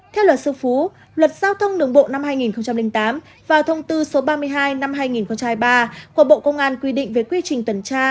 theo luật sư phú luật giao thông đường bộ năm hai nghìn tám và thông tư số ba mươi hai năm hai nghìn hai mươi ba của bộ công an quy định về quy trình tuần tra